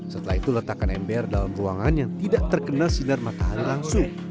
setelah itu letakkan ember dalam ruangan yang tidak terkena sinar matahari langsung